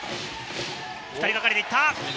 ２人がかりで行った。